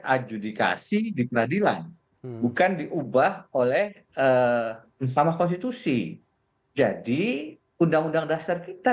adjudikasi di peradilan bukan diubah oleh sama konstitusi jadi undang undang dasar kita